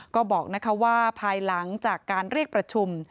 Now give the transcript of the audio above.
ก็บอกว่าภายหลังจากการเรียกประชุม